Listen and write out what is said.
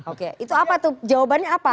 oke itu apa tuh jawabannya apa